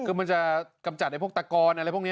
คือมันจะกำจัดไอ้พวกตะกอนอะไรพวกนี้